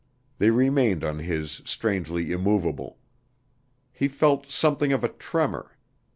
They remained on his strangely immovable. He felt something of a tremor.